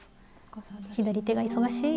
左手が忙しい。